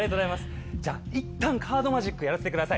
じゃあいったんカードマジックやらせてください。